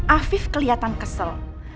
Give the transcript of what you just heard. afif kelihatan kesel